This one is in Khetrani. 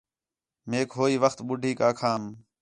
میک ہوئی وخت ٻُڈھیک آکھام